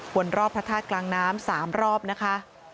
วนรอบพระธาตุกลางน้ำ๓รอบนะคะ